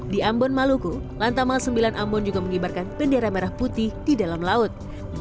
di ambon maluku lantamal sembilan ambon juga mengibarkan bendera merah putih di dalam laut